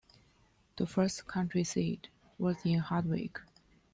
The first county seat was in Hardwick.